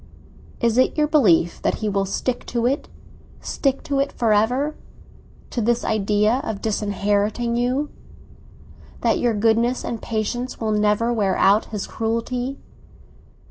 "Is it your belief that he will stick to it—stick to it for ever, to this idea of disinheriting you?—that your goodness and patience will never wear out his cruelty?"